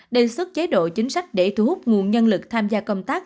đề xuất chế độ chính sách để thu hút nguồn nhân lực tham gia công tác